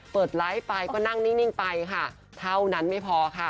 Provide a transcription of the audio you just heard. ไลฟ์ไปก็นั่งนิ่งไปค่ะเท่านั้นไม่พอค่ะ